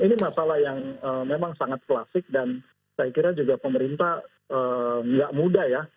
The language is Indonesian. ini masalah yang memang sangat klasik dan saya kira juga pemerintah nggak mudah ya